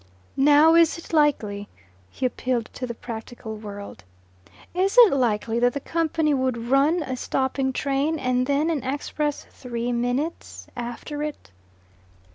"Now is it likely" he appealed to the practical world "is it likely that the company would run a stopping train and then an express three minutes after it?"